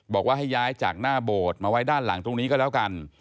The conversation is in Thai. บอกว่าให้ย้ายจากหน้าโบสถ์มาไว้ด้านหลังตรงนี้ก็แล้วกัน